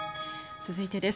続いてです。